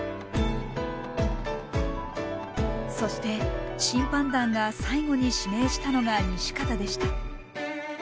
そして審判団が最後に指名したのが西方でした。